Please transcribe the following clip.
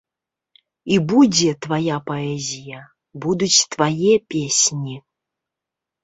І будзе твая паэзія, будуць твае песні.